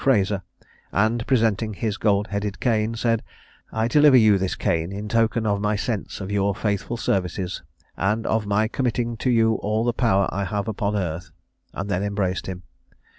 Fraser, and, presenting his gold headed cane, said, "I deliver you this cane in token of my sense of your faithful services, and of my committing to you all the power I have upon earth," and then embraced him.